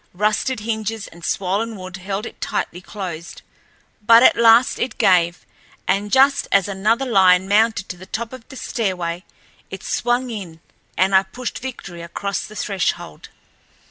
Rusted hinges and swollen wood held it tightly closed. But at last it gave, and just as another lion mounted to the top of the stairway it swung in, and I pushed Victory across the threshold.